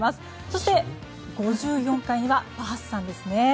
そして５４階にはバースさんですね。